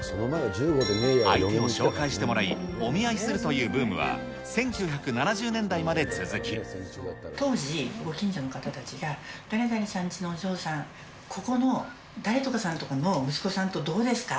相手を紹介してもらい、お見合いするというブームは、１９７０年当時、ご近所の方たちが、誰々さんちのお嬢さん、ここの誰とこさんとこの息子さんとどうですか？